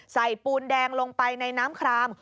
ปูนแดงลงไปในน้ำคราม